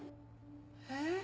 えっ。